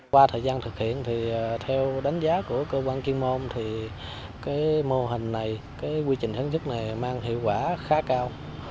qua thời gian thực hiện thì theo đánh giá của cơ quan chuyên môn thì cái mô hình này cái quy trình sản xuất này mang hiệu quả khá cao